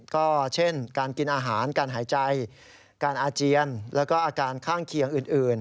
ก็เช่นการกินอาหารการหายใจการอาเจียนแล้วก็อาการข้างเคียงอื่น